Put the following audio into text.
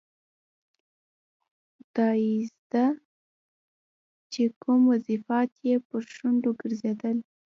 خدایزده چې کوم وظیفات یې پر شونډو ګرځېدل.